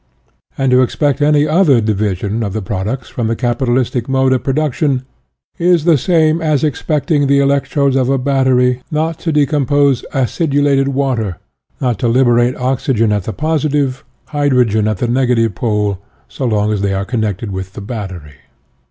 And to expect any other division of the products from the capitalistic mode of production is the same as expecting the electrodes of a battery not to decompose acidulated water, not to liberate oxygen at the positive, hydrogen at the negative pole, so long as they are connected with the bat tery.